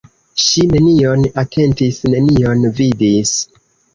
Ŝi nenion atentis, nenion vidis.